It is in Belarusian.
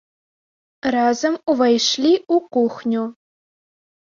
Разам увайшлі ў кухню.